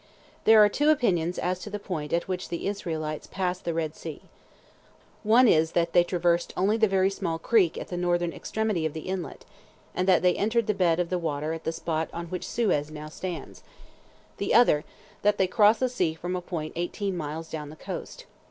There are two opinions as to the point at which the Israelites passed the Red Sea. One is, that they traversed only the very small creek at the northern extremity of the inlet, and that they entered the bed of the water at the spot on which Suez now stands; the other, that they crossed the sea from a point eighteen miles down the coast.